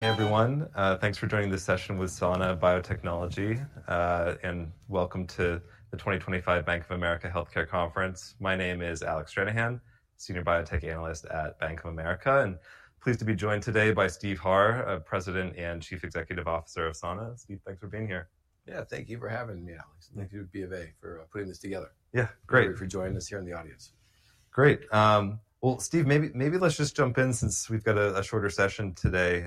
Hey everyone, thanks for joining this session with Sana Biotechnology, and welcome to the 2025 Bank of America Healthcare Conference. My name is Alex Trenihan, Senior Biotech Analyst at Bank of America, and pleased to be joined today by Steve Harr, President and Chief Executive Officer of Sana. Steve, thanks for being here. Yeah, thank you for having me, Alex. Thank you to Bank of America for putting this together. Yeah, great. Thank you for joining us here in the audience. Great. Steve, maybe, maybe let's just jump in since we've got a shorter session today.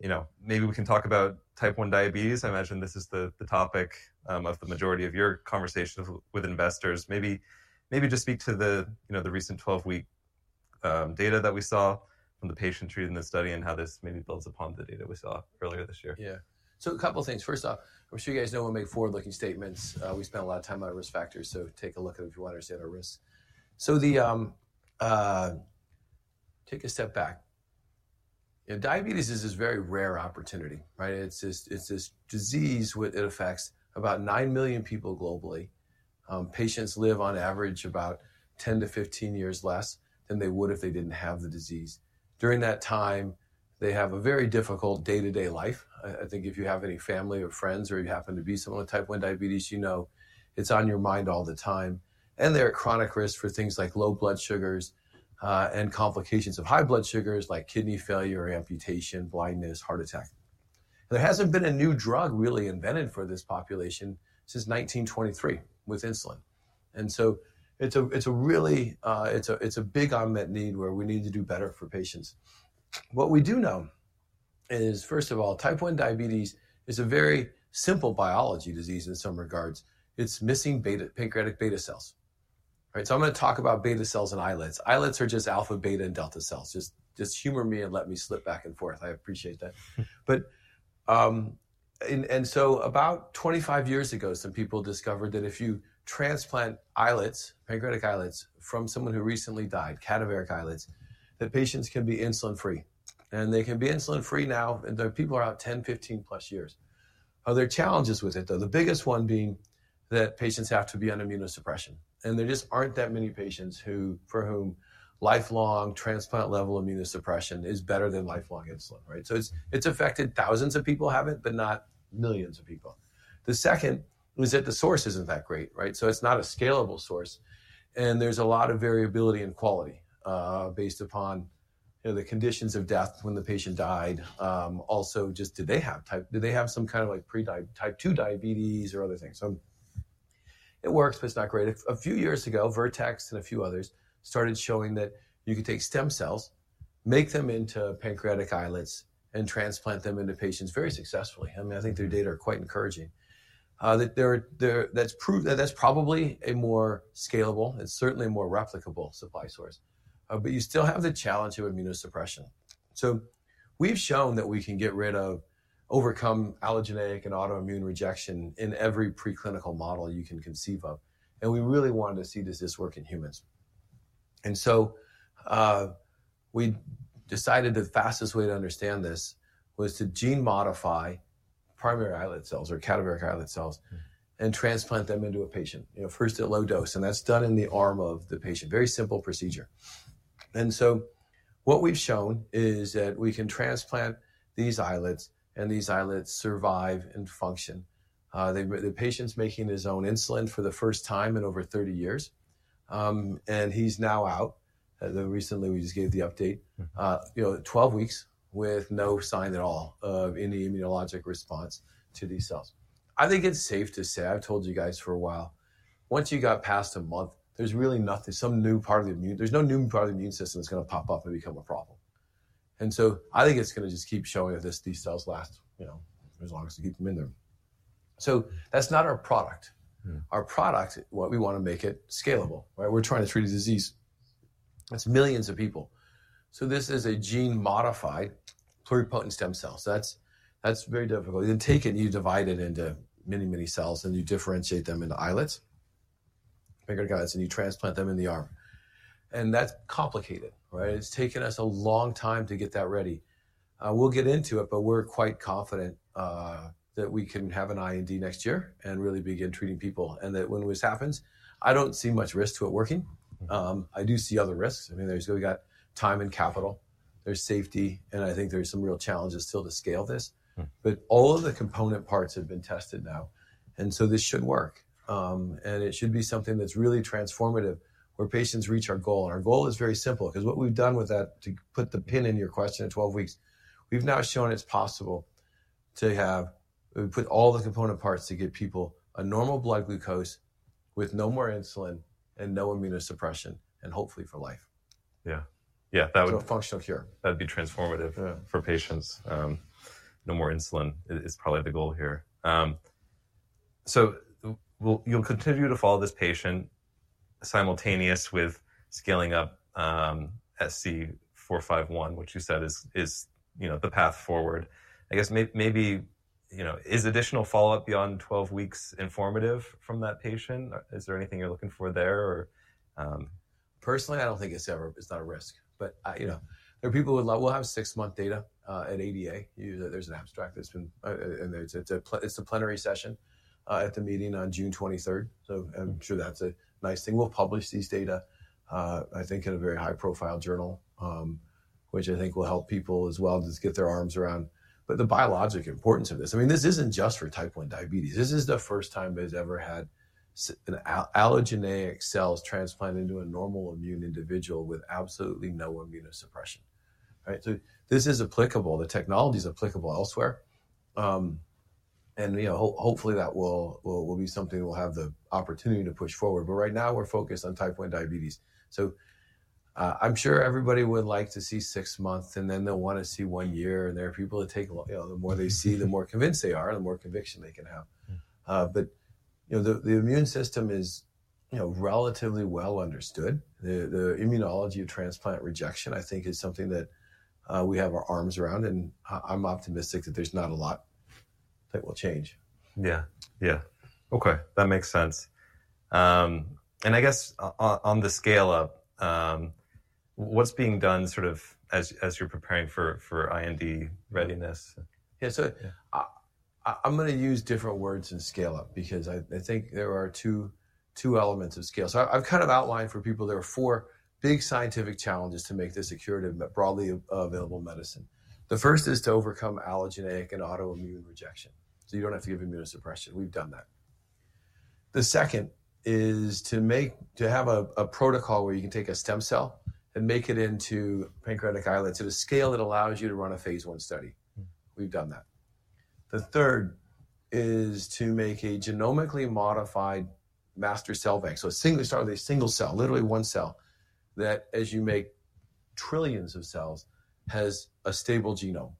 You know, maybe we can talk about type 1 diabetes. I imagine this is the topic of the majority of your conversations with investors. Maybe, maybe just speak to the, you know, the recent 12-week data that we saw from the patient treated in this study and how this maybe builds upon the data we saw earlier this year. Yeah. A couple of things. First off, I'm sure you guys know we make forward-looking statements. We spend a lot of time on our risk factors, so take a look at it if you want to understand our risks. Take a step back. You know, diabetes is this very rare opportunity, right? It's this disease with, it affects about 9 million people globally. Patients live on average about 10 to 15 years less than they would if they did not have the disease. During that time, they have a very difficult day-to-day life. I think if you have any family or friends or you happen to be someone with type 1 diabetes, you know, it's on your mind all the time. They are at chronic risk for things like low blood sugars, and complications of high blood sugars like kidney failure or amputation, blindness, heart attack. There hasn't been a new drug really invented for this population since 1923 with insulin. It's a really, it's a big unmet need where we need to do better for patients. What we do know is, first of all, type 1 diabetes is a very simple biology disease in some regards. It's missing pancreatic beta cells. All right. I'm gonna talk about beta cells and islets. Islets are just alpha, beta, and delta cells. Just humor me and let me slip back and forth. I appreciate that. About 25 years ago, some people discovered that if you transplant islets, pancreatic islets from someone who recently died, cadaveric islets, that patients can be insulin-free. They can be insulin-free now, and there are people out 10, 15 plus years. Are there challenges with it though? The biggest one being that patients have to be on immunosuppression, and there just aren't that many patients who, for whom lifelong transplant-level immunosuppression is better than lifelong insulin, right? It's affected thousands of people, but not millions of people. The second is that the source isn't that great, right? It's not a scalable source. There's a lot of variability in quality, based upon, you know, the conditions of death when the patient died. Also, just did they have type, did they have some kind of like pre-diab, type 2 diabetes or other things? It works, but it's not great. A few years ago, Vertex and a few others started showing that you could take stem cells, make them into pancreatic islets, and transplant them into patients very successfully. I mean, I think their data are quite encouraging. There are, that's proved that that's probably a more scalable, it's certainly a more replicable supply source. You still have the challenge of immunosuppression. We've shown that we can get rid of, overcome allogeneic and autoimmune rejection in every preclinical model you can conceive of. We really wanted to see does this work in humans. We decided the fastest way to understand this was to gene modify primary islet cells or cadaveric islet cells and transplant them into a patient, you know, first at low dose. That's done in the arm of the patient. Very simple procedure. What we've shown is that we can transplant these islets and these islets survive and function. The patient's making his own insulin for the first time in over 30 years. He's now out. Recently we just gave the update, you know, 12 weeks with no sign at all of any immunologic response to these cells. I think it's safe to say, I've told you guys for a while, once you got past a month, there's really nothing, some new part of the immune, there's no new part of the immune system that's gonna pop up and become a problem. I think it's gonna just keep showing that this, these cells last, you know, as long as to keep 'em in there. That's not our product. Our product, what we wanna make it scalable, right? We're trying to treat a disease that's millions of people. This is a gene modified pluripotent stem cell. That's very difficult. You take it, you divide it into many, many cells and you differentiate them into islets. Finger guidance, and you transplant them in the arm. That is complicated, right? It has taken us a long time to get that ready. We'll get into it, but we're quite confident that we can have an IND next year and really begin treating people. When this happens, I do not see much risk to it working. I do see other risks. I mean, we have time and capital, there is safety, and I think there are some real challenges still to scale this. All of the component parts have been tested now, and so this should work. It should be something that is really transformative where patients reach our goal. Our goal is very simple. 'Cause what we've done with that, to put the pin in your question at 12 weeks, we've now shown it's possible to have, we put all the component parts to get people a normal blood glucose with no more insulin and no immunosuppression, and hopefully for life. Yeah. Yeah. That would. No functional cure. That'd be transformative. Yeah. For patients, no more insulin. It's probably the goal here. You'll continue to follow this patient simultaneous with scaling up SC451, which you said is, you know, the path forward. I guess maybe, you know, is additional follow-up beyond 12 weeks informative from that patient? Is there anything you're looking for there or, Personally, I don't think it's ever, it's not a risk, but I, you know, there are people who would love, we'll have six-month data, at ADA. You, there's an abstract that's been, and there's a, it's a plenary session, at the meeting on June 23rd. I'm sure that's a nice thing. We'll publish these data, I think in a very high-profile journal, which I think will help people as well to get their arms around. The biologic importance of this, I mean, this isn't just for type 1 diabetes. This is the first time they've ever had an allogeneic cells transplant into a normal immune individual with absolutely no immunosuppression. All right. This is applicable. The technology's applicable elsewhere. You know, hopefully that will, will, will be something we'll have the opportunity to push forward. Right now we're focused on type 1 diabetes. I'm sure everybody would like to see six months and then they'll wanna see one year. And there are people that take a, you know, the more they see, the more convinced they are, the more conviction they can have. You know, the immune system is, you know, relatively well understood. The immunology of transplant rejection, I think, is something that we have our arms around. I'm optimistic that there's not a lot that will change. Yeah. Yeah. Okay. That makes sense. I guess on the scale up, what's being done sort of as you're preparing for IND readiness? Yeah. I'm gonna use different words and scale up because I think there are two elements of scale. I've kind of outlined for people there are four big scientific challenges to make this a curative, broadly available medicine. The first is to overcome allogeneic and autoimmune rejection, so you don't have to give immunosuppression. We've done that. The second is to have a protocol where you can take a stem cell and make it into pancreatic islets at a scale that allows you to run a phase one study. We've done that. The third is to make a genomically modified master cell bank, so start with a single cell, literally one cell that, as you make trillions of cells, has a stable genome.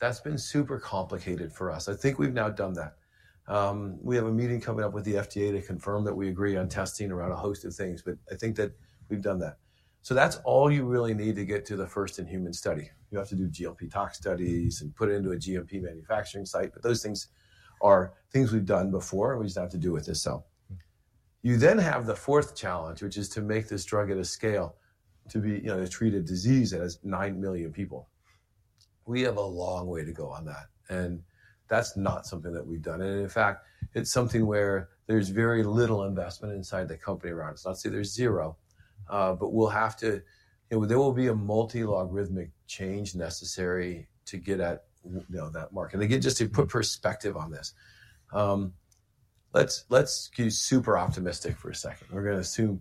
That's been super complicated for us. I think we've now done that. We have a meeting coming up with the FDA to confirm that we agree on testing around a host of things, but I think that we've done that. That's all you really need to get to the first in human study. You have to do GLP tox studies and put it into a GLP manufacturing site. Those things are things we've done before. We just have to do with this cell. You then have the fourth challenge, which is to make this drug at a scale to be, you know, to treat a disease that has 9 million people. We have a long way to go on that. That's not something that we've done. In fact, it's something where there's very little investment inside the company around. It's not to say there's zero, but we'll have to, you know, there will be a multi-logarithmic change necessary to get at, you know, that market. Again, just to put perspective on this, let's be super optimistic for a second. We're gonna assume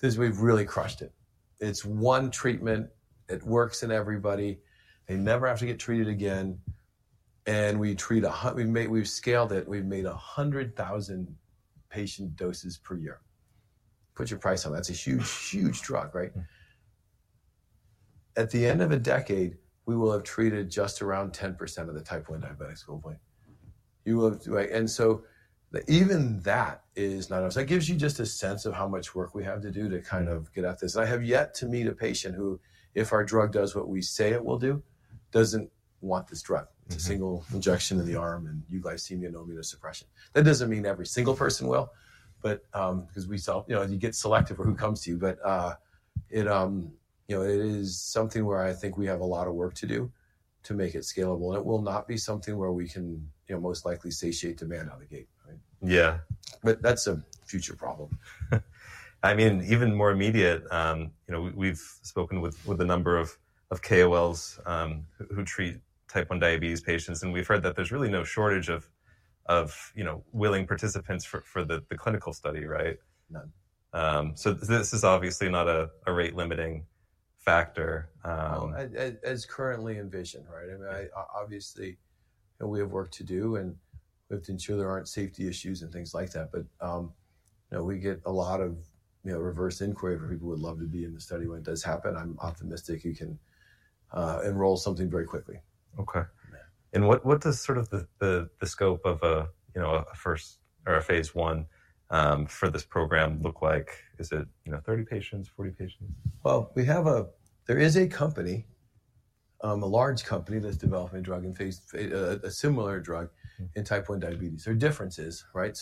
this is, we've really crushed it. It's one treatment. It works in everybody. They never have to get treated again. And we treat a, we've made, we've scaled it. We've made 100,000 patient doses per year. Put your price on that. That's a huge, huge drug, right? At the end of a decade, we will have treated just around 10% of the type 1 diabetics globally. You will have, right? Even that is not enough. That gives you just a sense of how much work we have to do to kind of get at this. I have yet to meet a patient who, if our drug does what we say it will do, does not want this drug. A single injection to the arm and euglycemia and immunosuppression. That does not mean every single person will, because we self, you know, you get selective for who comes to you. It is something where I think we have a lot of work to do to make it scalable. It will not be something where we can, you know, most likely satiate demand out of the gate. Yeah. That's a future problem. I mean, even more immediate, you know, we have spoken with a number of KOLs, who treat type 1 diabetes patients. And we have heard that there is really no shortage of willing participants for the clinical study, right? None. This is obviously not a rate limiting factor. As currently envisioned, right? I mean, I obviously, you know, we have work to do and we have to ensure there are not safety issues and things like that. You know, we get a lot of, you know, reverse inquiry for people who would love to be in the study when it does happen. I'm optimistic you can enroll something very quickly. Okay. What does sort of the scope of a, you know, a first or a phase one, for this program look like? Is it, you know, 30 patients, 40 patients? There is a company, a large company that's developing a drug in phase, a similar drug in type 1 diabetes. There are differences, right?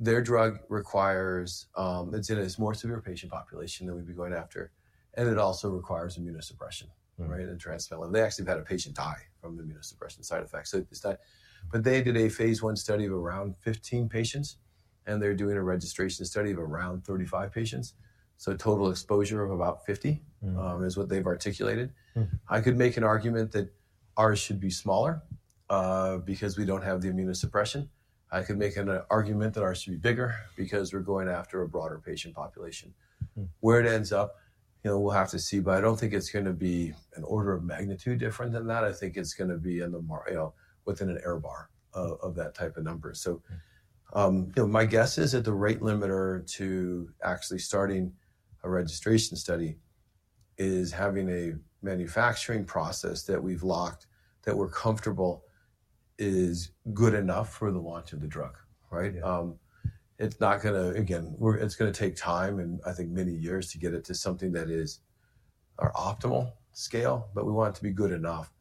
Their drug requires, it's in a more severe patient population that we'd be going after. It also requires immunosuppression, right? And transplant. They actually had a patient die from the immunosuppression side effects. It's not, but they did a phase 1 study of around 15 patients, and they're doing a registration study of around 35 patients. Total exposure of about 50 is what they've articulated. I could make an argument that ours should be smaller, because we don't have the immunosuppression. I could make an argument that ours should be bigger because we're going after a broader patient population. Where it ends up, you know, we'll have to see, but I don't think it's gonna be an order of magnitude different than that. I think it's gonna be in the mar, you know, within an error bar of, of that type of number. You know, my guess is that the rate limiter to actually starting a registration study is having a manufacturing process that we've locked, that we're comfortable is good enough for the launch of the drug, right? It's not gonna, again, we're, it's gonna take time and I think many years to get it to something that is our optimal scale, but we want it to be good enough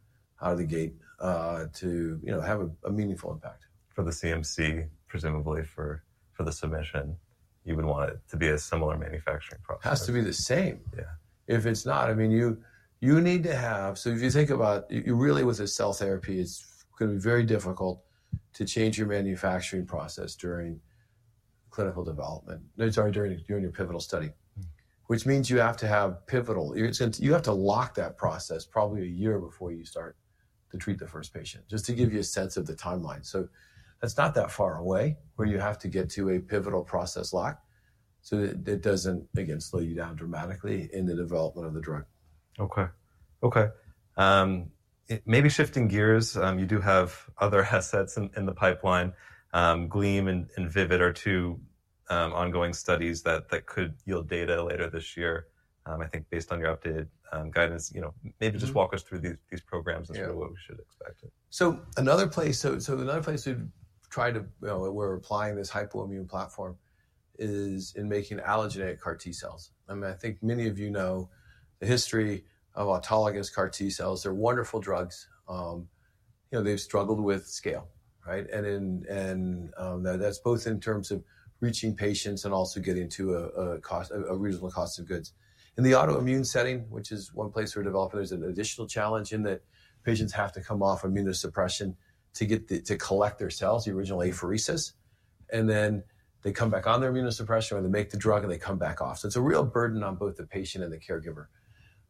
out of the gate, to, you know, have a, a meaningful impact. For the CMC, presumably for the submission, you would want it to be a similar manufacturing process. Has to be the same. Yeah. If it's not, I mean, you need to have, so if you think about, you really, with a cell therapy, it's gonna be very difficult to change your manufacturing process during clinical development, sorry, during your pivotal study, which means you have to have pivotal, you have to lock that process probably a year before you start to treat the first patient, just to give you a sense of the timeline. That's not that far away where you have to get to a pivotal process lock so that it doesn't, again, slow you down dramatically in the development of the drug. Okay. Okay. Maybe shifting gears, you do have other assets in the pipeline. Gleam and Vivid are two ongoing studies that could yield data later this year. I think based on your updated guidance, you know, maybe just walk us through these programs and what we should expect. Yeah. So another place, so another place to try to, you know, where we're applying this hypoimmune platform is in making allogeneic CAR T cells. I mean, I think many of you know the history of autologous CAR T cells. They're wonderful drugs. You know, they've struggled with scale, right? That, that's both in terms of reaching patients and also getting to a, a cost, a reasonable cost of goods. In the autoimmune setting, which is one place we're developing, there's an additional challenge in that patients have to come off immunosuppression to get the, to collect their cells, the original apheresis, and then they come back on their immunosuppression or they make the drug and they come back off. So it's a real burden on both the patient and the caregiver.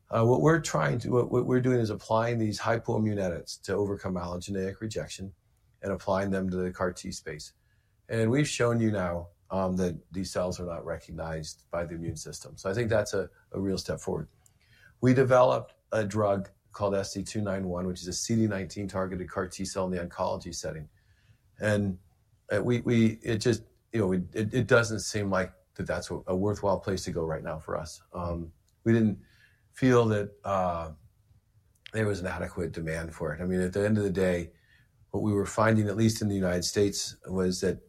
What we're trying to, what we're doing is applying these hypoimmune edits to overcome allogeneic rejection and applying them to the CAR T space. We've shown you now that these cells are not recognized by the immune system. I think that's a real step forward. We develop a drug called SC291, which is a CD19-targeted CAR T cell in the oncology setting. It just, you know, it doesn't seem like that's a worthwhile place to go right now for us. We didn't feel that there was an adequate demand for it. I mean, at the end of the day, what we were finding, at least in the United States, was that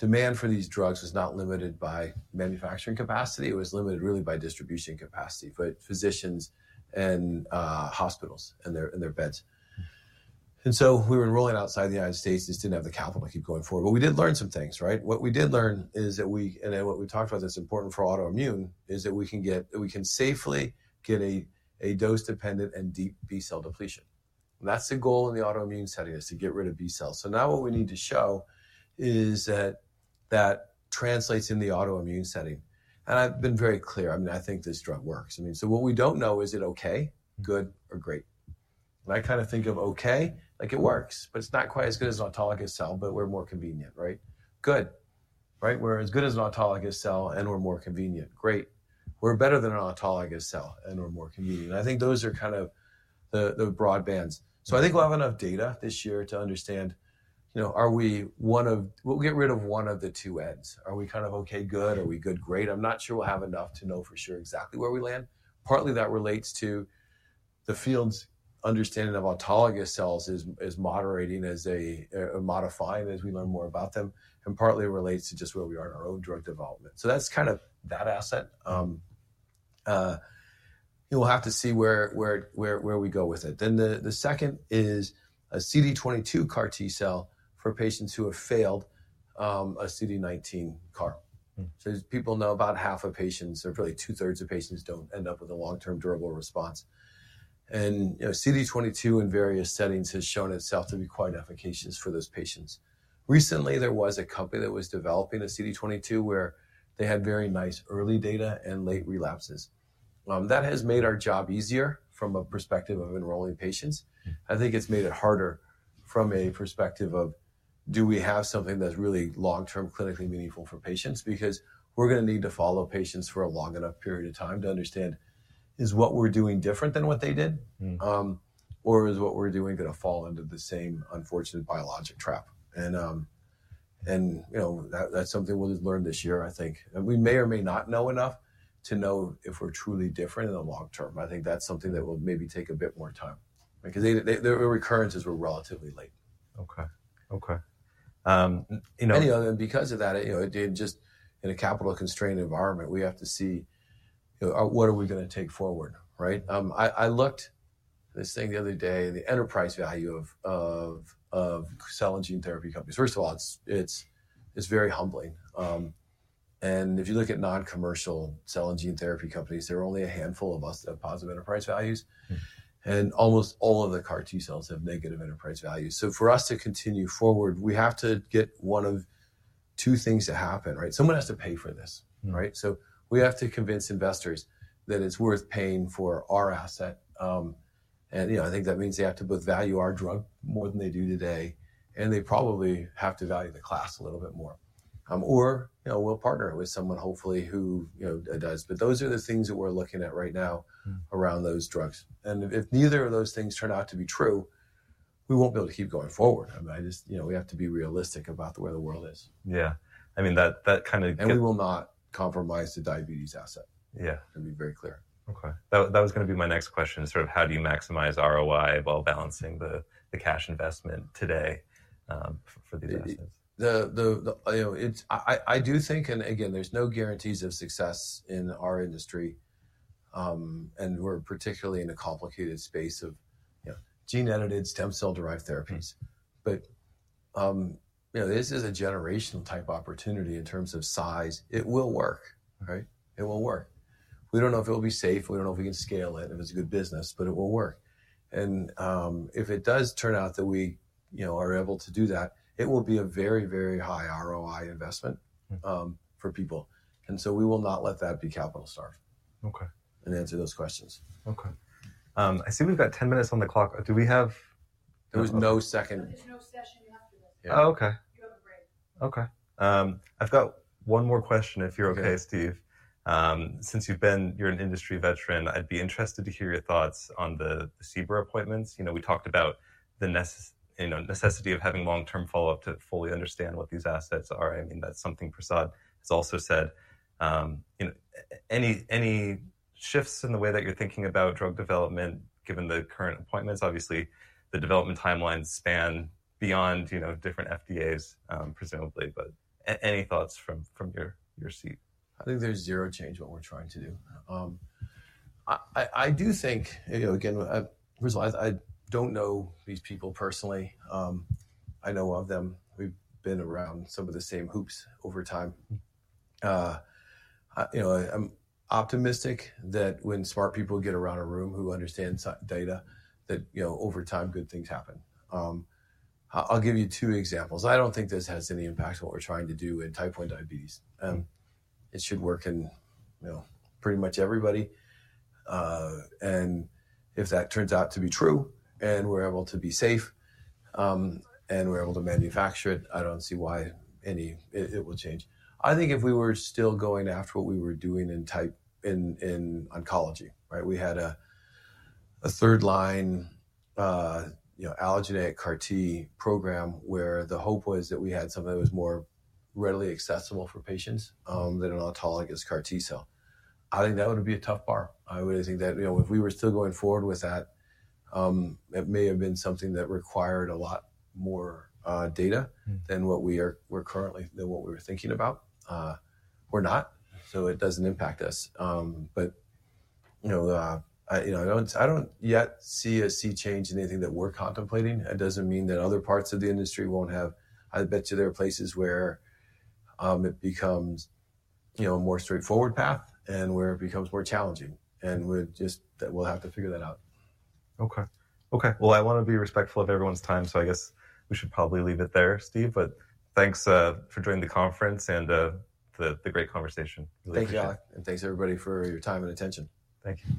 demand for these drugs was not limited by manufacturing capacity. It was limited really by distribution capacity for physicians and hospitals and their beds. We were enrolling outside the United States. This did not have the capital to keep going forward, but we did learn some things, right? What we did learn is that we, and then what we talked about that's important for autoimmune is that we can get, we can safely get a dose-dependent and deep B cell depletion. That is the goal in the autoimmune setting, to get rid of B cells. Now what we need to show is that that translates in the autoimmune setting. I have been very clear. I mean, I think this drug works. I mean, what we do not know is it okay, good, or great. I kind of think of okay, like it works, but it is not quite as good as an autologous cell, but we are more convenient, right? Good, right? We're as good as an autologous cell and we're more convenient. Great. We're better than an autologous cell and we're more convenient. I think those are kind of the, the broad bands. I think we'll have enough data this year to understand, you know, are we one of, we'll get rid of one of the two ends. Are we kind of okay, good? Are we good, great? I'm not sure we'll have enough to know for sure exactly where we land. Partly that relates to the field's understanding of autologous cells is moderating as a, a modifying as we learn more about them. And partly it relates to just where we are in our own drug development. That's kind of that asset. You'll have to see where we go with it. The second is a CD22 CAR T cell for patients who have failed a CD19 CAR. People know about half of patients, or probably two-thirds of patients, do not end up with a long-term durable response. You know, CD22 in various settings has shown itself to be quite efficacious for those patients. Recently, there was a company that was developing a CD22 where they had very nice early data and late relapses. That has made our job easier from a perspective of enrolling patients. I think it has made it harder from a perspective of do we have something that is really long-term clinically meaningful for patients? Because we are going to need to follow patients for a long enough period of time to understand, is what we are doing different than what they did? Or is what we are doing going to fall into the same unfortunate biologic trap? You know, that's something we'll learn this year, I think. We may or may not know enough to know if we're truly different in the long term. I think that's something that will maybe take a bit more time. Because they, the recurrences were relatively late. Okay. Okay. You know. You know, because of that, it didn't just in a capital constrained environment, we have to see, you know, what are we gonna take forward, right? I looked at this thing the other day, the enterprise value of cell and gene therapy companies. First of all, it's very humbling. If you look at non-commercial cell and gene therapy companies, there are only a handful of us that have positive enterprise values. Almost all of the CAR T cells have negative enterprise values. For us to continue forward, we have to get one of two things to happen, right? Someone has to pay for this, right? We have to convince investors that it's worth paying for our asset. And, you know, I think that means they have to both value our drug more than they do today, and they probably have to value the class a little bit more. Or, you know, we'll partner with someone, hopefully, who, you know, does. But those are the things that we're looking at right now around those drugs. And if neither of those things turn out to be true, we won't be able to keep going forward. I mean, I just, you know, we have to be realistic about the way the world is. Yeah. I mean, that kind of. We will not compromise the diabetes asset. Yeah. To be very clear. Okay. That was gonna be my next question is sort of how do you maximize ROI while balancing the cash investment today, for the assets. The, you know, it's, I do think, and again, there's no guarantees of success in our industry. We're particularly in a complicated space of, you know, gene-edited stem cell-derived therapies. But, you know, this is a generational type opportunity in terms of size. It will work, right? It will work. We don't know if it'll be safe. We don't know if we can scale it and if it's a good business, but it will work. If it does turn out that we, you know, are able to do that, it will be a very, very high ROI investment, for people. We will not let that be capital starve. Okay. Answer those questions. Okay. I see we've got 10 minutes on the clock. Do we have? There was no second. Oh, okay. Okay. I've got one more question if you're okay, Steve. Since you've been, you're an industry veteran, I'd be interested to hear your thoughts on the CBR appointments. You know, we talked about the necessity of having long-term follow-up to fully understand what these assets are. I mean, that's something Prasad has also said. You know, any shifts in the way that you're thinking about drug development, given the current appointments, obviously the development timelines span beyond, you know, different FDAs, presumably. Any thoughts from your seat? I think there's zero change what we're trying to do. I do think, you know, again, first of all, I don't know these people personally. I know of them. We've been around some of the same hoops over time. You know, I'm optimistic that when smart people get around a room who understand data, that, you know, over time, good things happen. I'll give you two examples. I don't think this has any impact on what we're trying to do in type 1 diabetes. It should work in, you know, pretty much everybody. And if that turns out to be true and we're able to be safe, and we're able to manufacture it, I don't see why any, it, it will change. I think if we were still going after what we were doing in type, in, in oncology, right? We had a, a third line, you know, allogeneic CAR T program where the hope was that we had something that was more readily accessible for patients, than an autologous CAR T cell. I think that would be a tough bar. I would think that, you know, if we were still going forward with that, it may have been something that required a lot more data than what we are, we're currently, than what we were thinking about. We're not, so it doesn't impact us. You know, I don't, I don't yet see a sea change in anything that we're contemplating. It doesn't mean that other parts of the industry won't have, I bet you there are places where it becomes, you know, a more straightforward path and where it becomes more challenging. We're just, we'll have to figure that out. Okay. Okay. I wanna be respectful of everyone's time, so I guess we should probably leave it there, Steve. Thanks for joining the conference and the great conversation. Thank you, Alex. Thank you everybody for your time and attention. Thank you.